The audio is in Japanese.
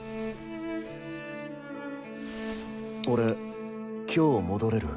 俺今日戻れる？